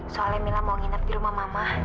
soalnya mila mau nginep di rumah mama